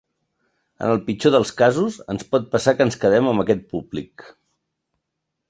En el pitjor dels casos, ens pot passar que ens quedem amb aquest públic.